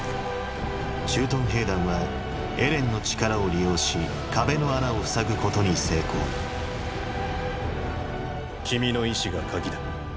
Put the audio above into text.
駐屯兵団はエレンの力を利用し壁の穴を塞ぐことに成功君の意志が「鍵」だ。